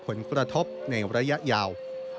ผลกระทบในระยะยาว